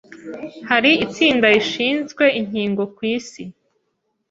Hari itsinda rishinzwe inkingo ku isi